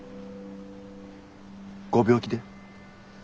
ご病気で？